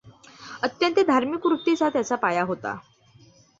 अत्यंत धार्मिक वृत्तीचा त्याचा पाया होता.